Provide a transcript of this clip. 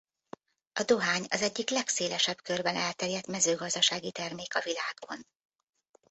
A dohány az egyik legszélesebb körben elterjedt mezőgazdasági termék a világon.